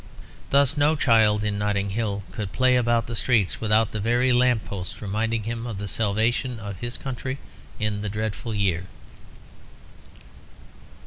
Thus no child in Notting Hill could play about the streets without the very lamp posts reminding him of the salvation of his country in the dreadful year.